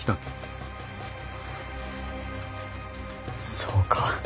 そうか。